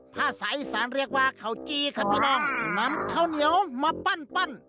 ผ้าใสสารเรียกว่าข้าวจี้ครับพี่น้องนำข้าวเหนียวมาปั้น